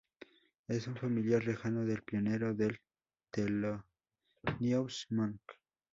Es un familiar lejano del pionero del Thelonious Monk.